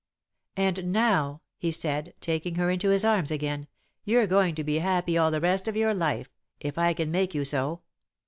"And now," he said, taking her into his arms again, "you're going to be happy all the rest of your life, if I can make you so.